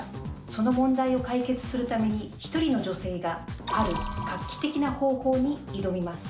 その問題を解決するために、１人の女性が、ある画期的な方法に挑みます。